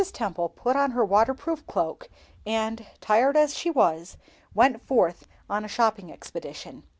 Temple put on her waterproof cloak, and, tired as she was, went forth on a shopping expedition.